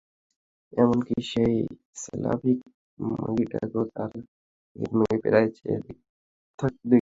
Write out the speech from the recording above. এমনকি সেই স্লাভিক মাগীটাকেও, যার দিকে তোমাকে প্রায়ই চেয়ে থাকতে দেখি।